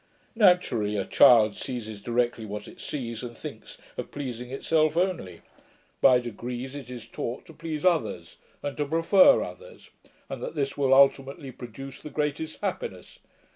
Naturally a child seizes directly what it sees, and thinks of pleasing itself only. By degrees, it is taught to please others, and to prefer others; and that this will ultimately produce the greatest happiness.